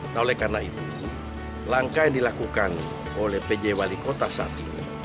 nah oleh karena itu langkah yang dilakukan oleh pj wali kota saat ini